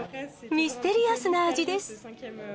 ミステリアスな味です。